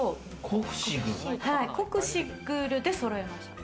コクシグルでそろえました。